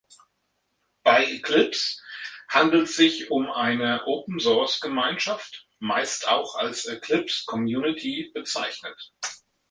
Bei "Eclipse" handelt sich um eine Open-Source-Gemeinschaft, meist auch als Eclipse-Community bezeichnet.